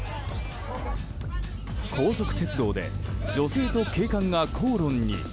高速鉄道で女性と警官が口論に。